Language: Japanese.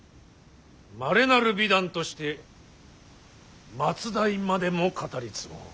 まれなる美談として末代までも語り継ごう。